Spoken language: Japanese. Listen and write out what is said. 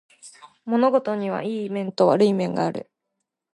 物事にはいい面と悪い面がある